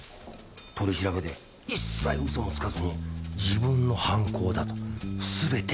取り調べで一切嘘もつかずに自分の犯行だとすべて認めたらしい。